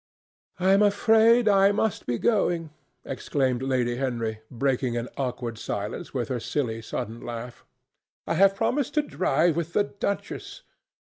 "I am afraid I must be going," exclaimed Lady Henry, breaking an awkward silence with her silly sudden laugh. "I have promised to drive with the duchess.